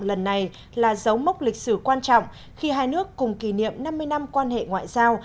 lần này là dấu mốc lịch sử quan trọng khi hai nước cùng kỷ niệm năm mươi năm quan hệ ngoại giao